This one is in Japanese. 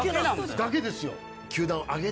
だけですよ。